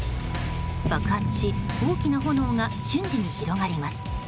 爆発し、大きな炎が瞬時に広がります。